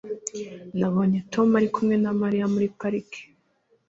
Nabonye Tom ari kumwe na Mariya muri parike